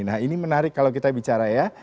nah ini menarik kalau kita bicara ya